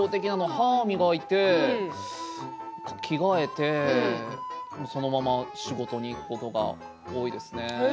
歯を磨いて着替えてそのまま仕事に行くことが多いですね。